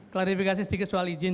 klarifikasi sedikit soal izin